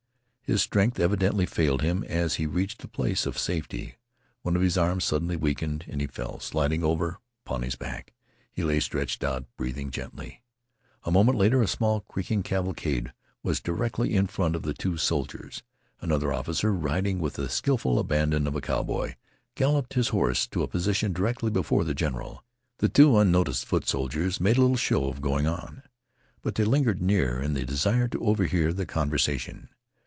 His strength evidently failed him as he reached a place of safety. One of his arms suddenly weakened, and he fell, sliding over upon his back. He lay stretched out, breathing gently. A moment later the small, creaking cavalcade was directly in front of the two soldiers. Another officer, riding with the skillful abandon of a cowboy, galloped his horse to a position directly before the general. The two unnoticed foot soldiers made a little show of going on, but they lingered near in the desire to overhear the conversation.